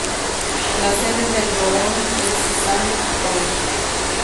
La sede del borough es Sand Point.